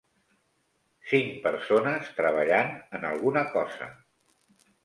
Cinc persones treballant en alguna cosa.